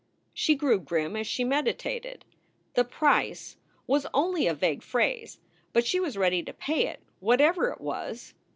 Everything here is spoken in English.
She grew grim as she meditated. The Price was only a vague phrase, but she was ready to pay it, whatever it was.